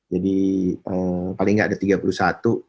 jadi paling tidak ada tiga puluh satu